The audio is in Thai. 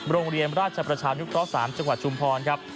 โรงเรียนราชประชานุเคราะห์๓จังหวัดชุมพรครับ